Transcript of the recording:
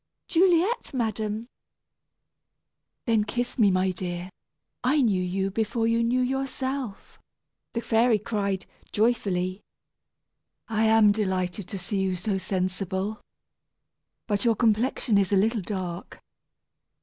"Juliet, madam." "Then, kiss me, my dear; I knew you before you knew yourself," the fairy cried, joyfully. "I am delighted to see you so sensible. But your complexion is a little dark.